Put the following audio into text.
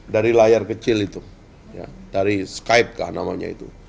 dari layar kecil itu dari skype kah namanya itu